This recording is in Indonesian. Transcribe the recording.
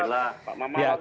pak maman baik